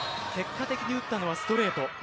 結果的に打ったのはストレート。